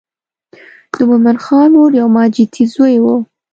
د مومن خان مور یو ماجتي زوی و.